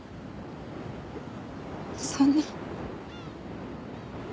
そんな。